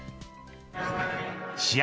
試合